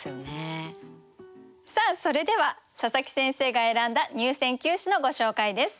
さあそれでは佐佐木先生が選んだ入選九首のご紹介です。